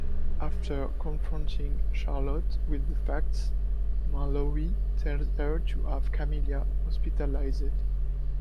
After confronting Charlotte with the facts, Marlowe tells her to have Camilla hospitalized.